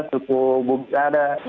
suku bugis ada